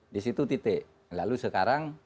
di situ titik lalu sekarang